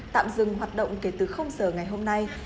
tạm dừng hoạt động kể từ giờ ngày hôm nay